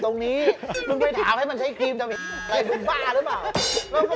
ที่มันจบตรงนี้